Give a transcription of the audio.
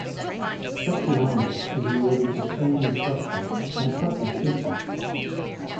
Sexuality is related to family structure and partly shapes it.